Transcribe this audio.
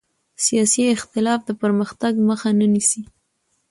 سیاسي اختلاف د پرمختګ مخه نه نیسي